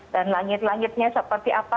dan langit langitnya seperti apa